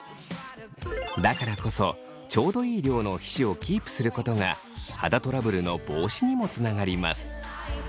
だからこそちょうどいい量の皮脂をキープすることが肌トラブルの防止にもつながります